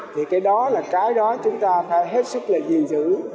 thì cái đó là cái đó chúng ta phải hết sức là gìn giữ